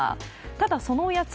ただ、そのおやつ。